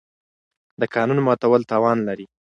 د قانون ماتول تاوان لري.